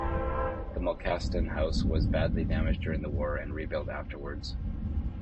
The Malkasten house was badly damaged during the war and rebuilt afterwards.